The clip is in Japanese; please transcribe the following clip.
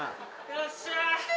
よっしゃ！